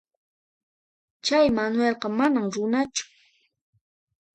Chay Manuelqa manam runachu.